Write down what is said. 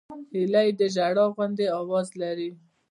هیلۍ د ژړا غوندې آواز لري